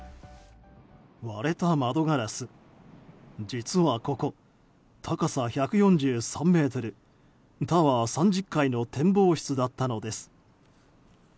実はここ、高さ１４３ｍタワー３０階の展望室だったのです。